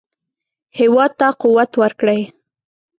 هېواد ته قوت ورکړئ